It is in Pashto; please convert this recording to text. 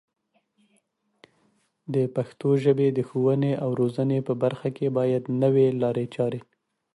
د پښتو ژبې د ښوونې او روزنې په برخه کې باید نوې لارې چارې